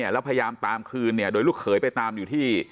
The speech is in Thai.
แล้วพยายามตามคืนโดยลูกเขยไปตามอยู่ที่